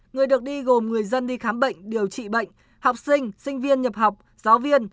người được đi gồm người dân đi khám bệnh điều trị bệnh học sinh sinh viên nhập học giáo viên